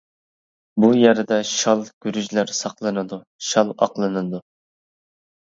بۇ يەردە شال-گۈرۈچلەر ساقلىنىدۇ، شال ئاقلىنىدۇ.